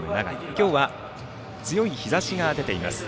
今日は強い日ざしが出ています。